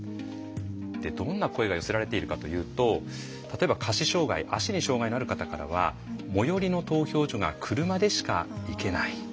でどんな声が寄せられているかというと例えば下肢障害足に障害のある方からは「最寄りの投票所が車でしか行けない」。